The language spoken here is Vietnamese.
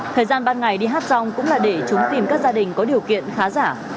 thời gian ban ngày đi hát xong cũng là để chúng tìm các gia đình có điều kiện khá giả